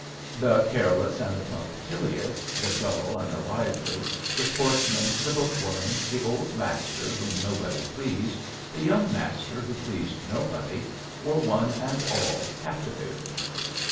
The careless and the punctilious, the dull and the lively, the sportsman, the bookworm, the old master whom nobody pleased, the young master who pleased nobody, were one and all captivated.